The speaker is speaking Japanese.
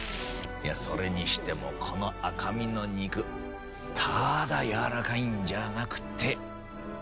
いやそれにしてもこの赤身の肉ただやわらかいんじゃなくて。